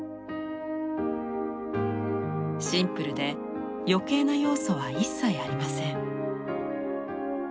シンプルで余計な要素は一切ありません。